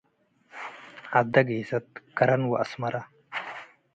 ዐደ ጌሰት ከረን ወአስመረ